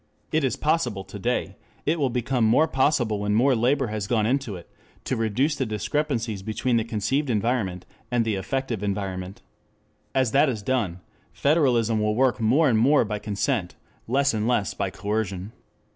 It is possible to day, it will become more possible when more labor has gone into it, to reduce the discrepancies between the conceived environment and the effective environment. As that is done, federalism will work more and more by consent, less and less by coercion.